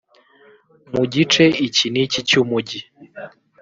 mu gice iki n’iki cy’umujyi